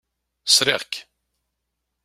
Sriɣ-k.